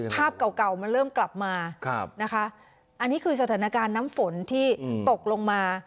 ภาพเก่ามันเริ่มกลับมานะคะอันนี้คือสถานการณ์น้ำฝนที่ตกลงมา